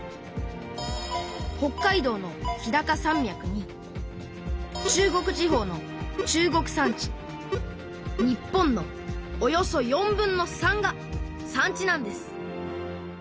北海道の日高山脈に中国地方の中国山地日本のおよそ４分の３が山地なんです。